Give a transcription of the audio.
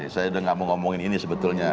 saya udah gak mau ngomongin ini sebetulnya